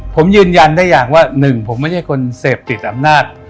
ผมยืนยันได้อย่างว่าหนึ่งผมไม่ใช่คนเสพติดอำนาจ